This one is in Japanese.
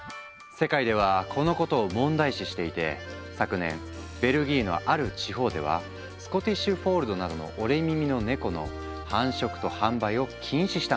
世界ではこのことを問題視していて昨年ベルギーのある地方ではスコティッシュ・フォールドなどの折れ耳のネコの繁殖と販売を禁止したんだとか。